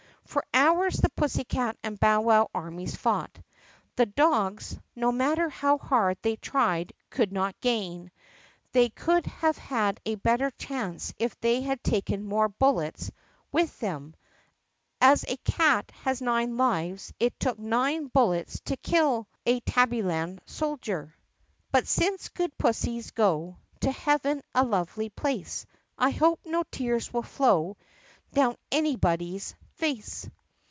For hours the pussycat and bowwow armies fought. The ogs, no matter how hard they tried, could not gain. They ^uld have had a better chance if they had taken more bullets th them. As a cat has nine lives it took nine bullets to kill "abbyland soldier. (But since good pussies go To heaven, a lovely place, I hope no tears will flow Down anybody's face.)